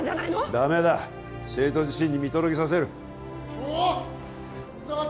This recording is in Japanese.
ダメだ生徒自身に見届けさせる・うおっ！